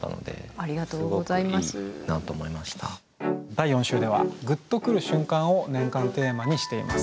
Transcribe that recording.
第４週では「グッとくる瞬間」を年間テーマにしています。